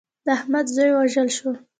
د احمد زوی ووژل شو.